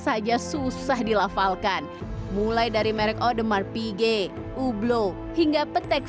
mewah yang mereknya saja susah dilafalkan mulai dari merek audemars piguet hublot hingga petek